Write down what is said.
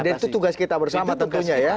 dan itu tugas kita bersama tentunya ya